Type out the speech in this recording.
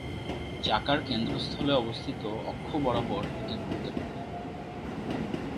চাকার কেন্দ্রস্থলে অবস্থিত অক্ষ বরাবর এটি ঘুরতে পারে।